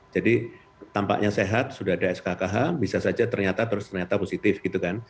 jadi tampaknya sehat sudah ada skkh bisa saja ternyata terus ternyata positif gitu kan